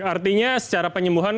artinya secara penyembuhan